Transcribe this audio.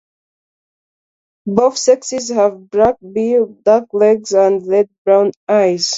Both sexes have a black bill, dark legs and red-brown eyes.